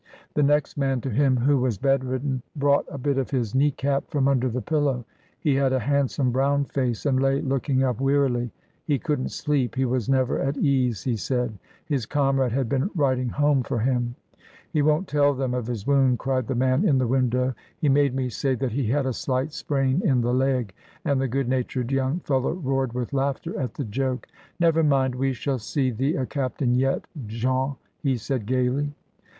The next man to him who was bedridden brought a bit of his knee cap from under the pillow. He had a handsome brown face, and lay looking 1 82 MRS. DYMOND. up wearily; he couldn't sleep, he was never at ease, he said; his comrade had been writing home for him, "He won't tell them of his wound," cried the man in the window. "He made me say that he had a slight sprain in the leg," and the good natured young fellow roared with laughter at the joke. "Never mind, we shall see thee a captain yet, Jean!" he said gaily.